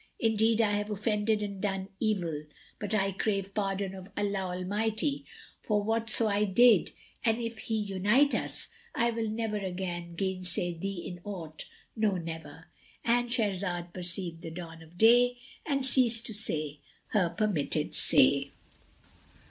Indeed, I have offended and done evil; but I crave pardon of Allah Almighty for whatso I did, and if He reunite us, I will never again gainsay thee in aught, no, never!"—And Shahrazad perceived the dawn of day and ceased to say her permitted say.